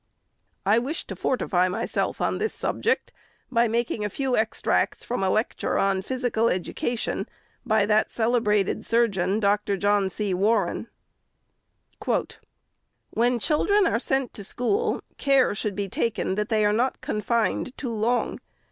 I wish to fortify myself on this subject, by making a few extracts from a lecture on Physical Education, by that celebrated surgeon, Dr. John C. Warren. "When children are sent to school, care should be taken, that they are not confined too long.